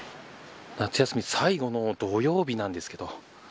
夏休み最後の土曜日なんですけど。